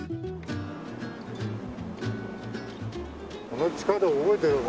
この地下道覚えてる。